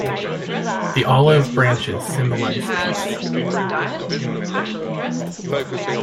The olive branches symbolize peace.